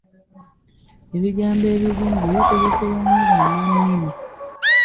Ebigambo ebigunje bikozesebwa nnyo bannannimi.